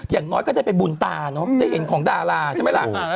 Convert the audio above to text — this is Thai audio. อย่างน้อยก็ได้ไปบุญตาเนอะได้เห็นของดาราใช่ไหมล่ะ